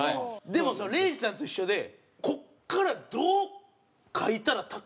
でも礼二さんと一緒でここからどう描いたらタックルに。